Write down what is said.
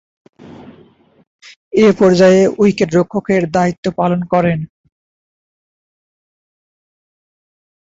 এ পর্যায়ে উইকেট-রক্ষকের দায়িত্ব পালন করেন।